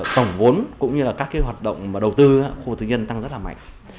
tổng vốn cũng như các hoạt động đầu tư khu vực tự nhiên tăng rất là mạnh